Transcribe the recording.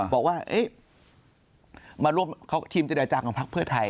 บอกว่ามาร่วมทีมเจรจาของพักเพื่อไทย